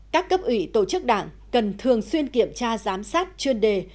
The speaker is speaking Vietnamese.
các cấp ủy tổ chức đảng cần thường xuyên kiểm tra giám sát chuyên đề